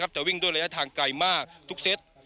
จะวิ่งด้วยระยะทางไกลมากทุกเซต